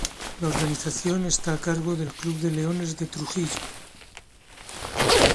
La organización está a cargo del club de leones de Trujillo.